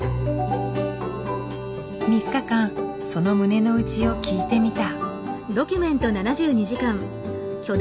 ３日間その胸の内を聞いてみた。